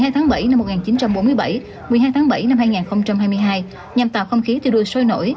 một mươi tháng bảy năm một nghìn chín trăm bốn mươi bảy một mươi hai tháng bảy năm hai nghìn hai mươi hai nhằm tạo không khí thi đua sôi nổi